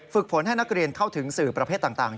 ผลให้นักเรียนเข้าถึงสื่อประเภทต่าง